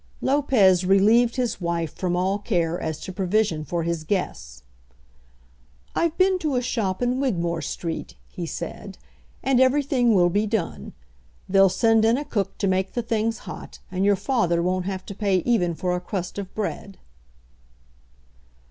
Lopez relieved his wife from all care as to provision for his guests. "I've been to a shop in Wigmore Street," he said, "and everything will be done. They'll send in a cook to make the things hot, and your father won't have to pay even for a crust of bread."